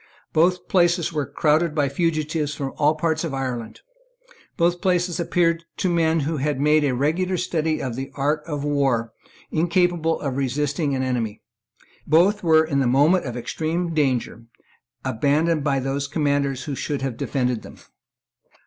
Both places were crowded by fugitives from all parts of Ireland. Both places appeared to men who had made a regular study of the art of war incapable of resisting an enemy. Both were, in the moment of extreme danger, abandoned by those commanders who should have defended them.